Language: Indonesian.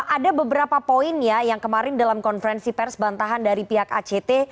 ada beberapa poin ya yang kemarin dalam konferensi pers bantahan dari pihak act